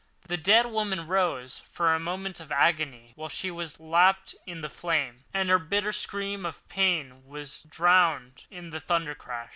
The dead woman rose for a moment of agony, while she was lapped in the flame, and her bitter scream of pain was drowned in the thundercrash.